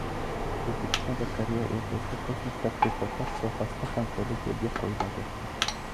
O‘zbekiston va Koreya o‘rtasida kosmik tadqiqotlar sohasida hamkorlik yo‘lga qo‘yiladi